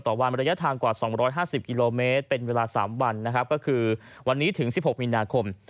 ต่อวันระยะทางกว่า๒๕๐กิโลเมตรเป็นเวลา๓วันนะครับก็คือวันนี้ถึง๑๖มีนาคม